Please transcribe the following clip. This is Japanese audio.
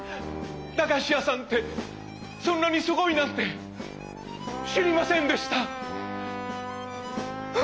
だがし屋さんってそんなにすごいなんて知りませんでした！